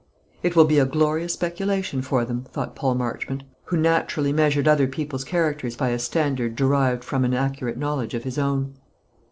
"It will be a glorious speculation for them," thought Paul Marchmont, who naturally measured other people's characters by a standard derived from an accurate knowledge of his own.